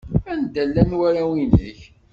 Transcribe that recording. Anda llan warraw-nnek?